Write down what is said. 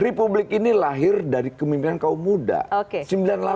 republik ini lahir dari kemimpinan kaum muda